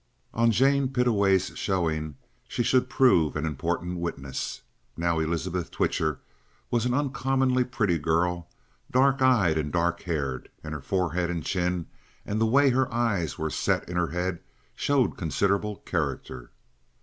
On Jane Pittaway's showing, she should prove an important witness. Now Elizabeth Twitcher was an uncommonly pretty girl, dark eyed and dark haired, and her forehead and chin and the way her eyes were set in her head showed considerable character.